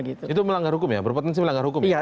itu melanggar hukum ya berpotensi melanggar hukum